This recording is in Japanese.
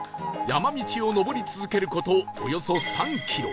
山道を上り続ける事およそ３キロ。